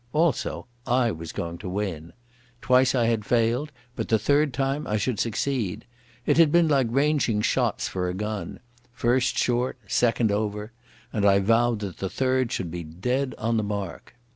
Also I was going to win. Twice I had failed, but the third time I should succeed. It had been like ranging shots for a gun—first short, second over, and I vowed that the third should be dead on the mark.